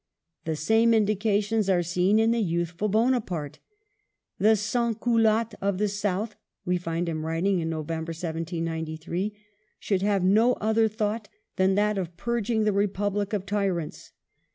The same indications are seen in the youthful Bonaparte. " The swm culottes of the South," we find him writing in November, 1793, " should have no other thought than that of purging the Republic of tyrants."